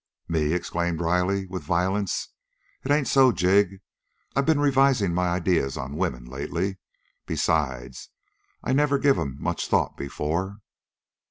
"Me!" exclaimed Riley with violence. "It ain't so, Jig. I been revising my ideas on women lately. Besides, I never give 'em much thought before."